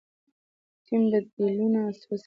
ټیم بدیلونه وڅېړل.